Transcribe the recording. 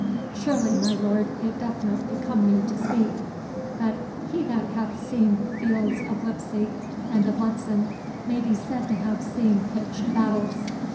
"Surely, my lord, it doth not become me to speak; but he that hath seen the fields of Leipsic and of Lutzen, may be said to have seen pitched battles.